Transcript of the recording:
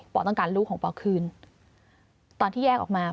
ต้องการลูกของปอคืนตอนที่แยกออกมา